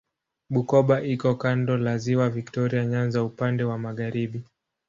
Bukoba iko kando la Ziwa Viktoria Nyanza upande wa magharibi.